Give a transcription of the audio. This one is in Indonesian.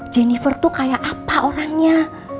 jennifer tuh kayak apa orangnya